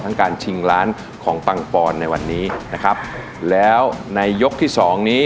การชิงล้านของปังปอนในวันนี้นะครับแล้วในยกที่สองนี้